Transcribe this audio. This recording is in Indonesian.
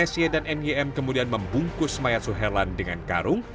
sy dan nym kemudian membungkus mayat suherlan dengan karung